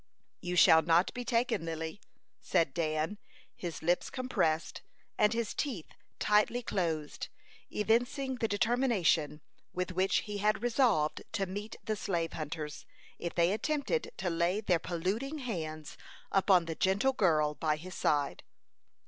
"You shall not be taken, Lily," said Dan, his lips compressed, and his teeth tightly closed, evincing the determination with which he had resolved to meet the slave hunters, if they attempted to lay their polluting hands upon the gentle girl by his side.